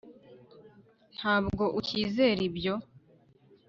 ntabwo ucyizera ibyo